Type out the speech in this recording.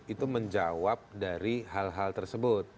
itu menjawab dari hal hal tersebut